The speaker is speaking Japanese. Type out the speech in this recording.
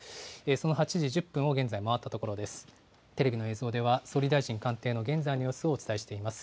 その８時１０分を現在回ったところです。